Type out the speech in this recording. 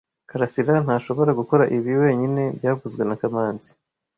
Karasira ntashobora gukora ibi wenyine byavuzwe na kamanzi